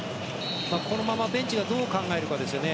このままベンチがどう考えるかですよね